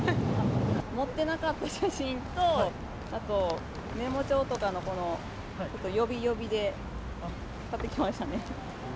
持ってなかった写真と、あとメモ帳とかの、予備、予備で買ってきましたね。